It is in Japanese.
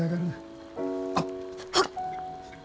あっ！はっ！